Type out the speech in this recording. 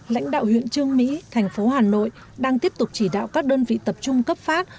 lãnh đạo huyện trương mỹ thành phố hà nội đang tiếp tục chỉ đạo các đơn vị tập trung cấp phát